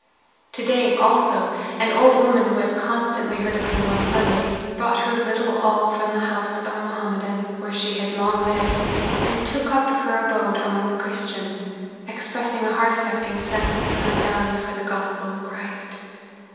" To day, also, an old woman who has constant ly heard Abdool on Sundays, brought her little all from the house of a Mohammedan, where she had long lived, and took up her abode among the Chris tians, expressing a heart affecting sense of her value for the Gospel of Christ.